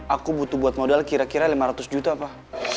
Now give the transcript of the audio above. aku butuh buat modal kira kira lima ratus juta apa